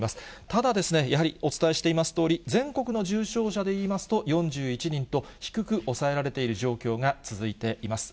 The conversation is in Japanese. ただ、やはりお伝えしていますとおり、全国の重症者で言いますと、４１人と、低く抑えられている状況が続いています。